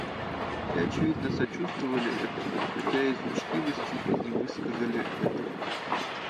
Все, очевидно, сочувствовали этому, хотя из учтивости и не высказали этого.